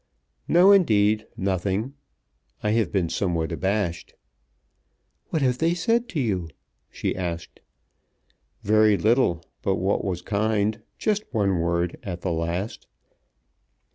"No, indeed, nothing. I have been somewhat abashed." "What have they said to you?" she asked. "Very little but what was kind, just one word at the last."